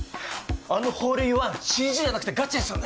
あのホールインワンＣＧじゃなくてガチですよね？